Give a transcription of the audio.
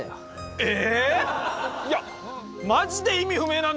ええ！